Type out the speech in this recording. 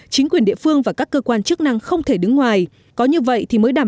chính quyền địa phương và các cơ quan chức năng không thể đứng ngoài có như vậy thì mới đảm bảo